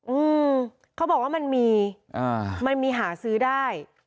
อืมเขาบอกว่ามันมีอ่ามันมีหาซื้อได้